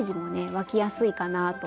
湧きやすいかなと思います。